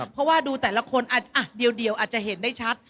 เพราะว่าดูแต่ละคนเดียวอาจจะเห็นได้ชัด